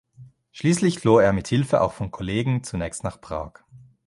Schließlich floh er mit Hilfe auch von Kollegen zunächst nach Prag.